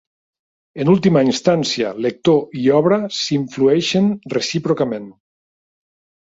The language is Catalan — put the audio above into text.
En última instància, lector i obra s'influeixen recíprocament.